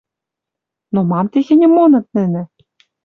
Но мам техеньӹм моныт нӹнӹ?